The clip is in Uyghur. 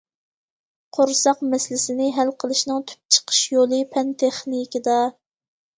قورساق مەسىلىسىنى ھەل قىلىشنىڭ تۈپ چىقىش يولى پەن- تېخنىكىدا.